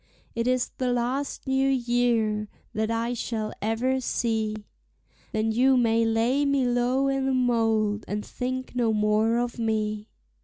It is the last new year that I shall ever see, Then you may lay me low i' the mold, and think no more of me.